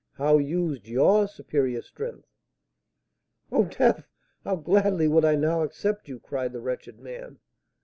How used your superior strength?" "O Death! how gladly would I now accept you!" cried the wretched man.